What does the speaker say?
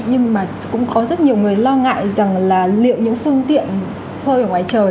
nhưng mà cũng có rất nhiều người lo ngại rằng là liệu những phương tiện phơi ở ngoài trời